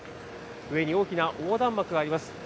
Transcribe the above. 上に大きな横断幕があります。